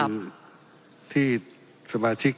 เพราะเรามี๕ชั่วโมงครับท่านนึง